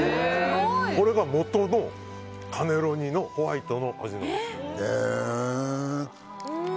これが、元のカネロニのホワイトの味なんですよ。